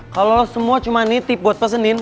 kalau semua cuma nitip buat pesenin